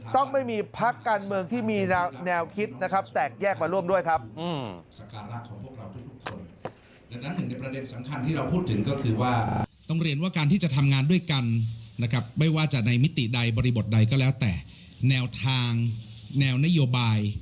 ต้องไม่มีพักการเมืองที่มีแนวคิดนะครับแตกแยกมาร่วมด้วยครับ